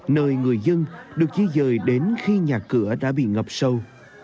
nơi người dân được di dời đến khi nhà cửa đã bị ngập sâu